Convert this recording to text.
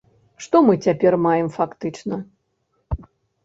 Што мы цяпер маем фактычна?